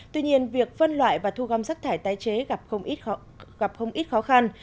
tuy nhiên việc phân loại và thu gom rác thải tái chế gặp không ít khó khăn